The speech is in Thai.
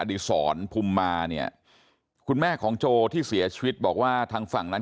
ดีศรพุมมาเนี่ยคุณแม่ของโจที่เสียชีวิตบอกว่าทางฝั่งนั้น